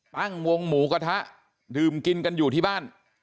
ตั้งวงหมูกระทะดื่มกินกันอยู่ที่บ้าน